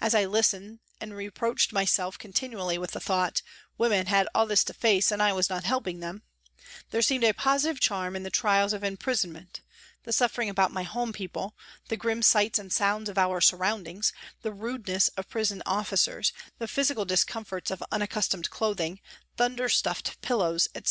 As I listened and reproached myself continually with the thought, " Women had all this to face and I was not helping them," there seemed a positive charm in the trials of imprisonment the suffering about my home people, the grim sights and sounds of our surroundings, the rudeness of prison officers, the physical discomforts of unaccustomed clothing, thunder stuffed pillows, etc.